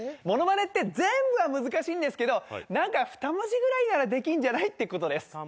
物まねって全部は難しいけど何か２文字ぐらいならできんじゃない？ってことです。